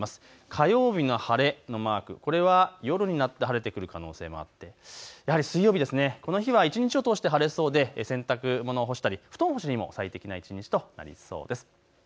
火曜日の晴れのマーク、これは夜になって晴れてくる可能性もあってやはり水曜日、この日は一日を通して晴れそうで洗濯物を干したり布団干しにも最適な一日となりそうです。